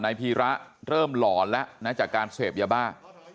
พีระเริ่มหลอนแล้วนะจากการเสพยาบ้า